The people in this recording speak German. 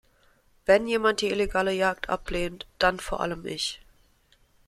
Wenn jemand die illegale Jagd ablehnt, dann vor allem ich.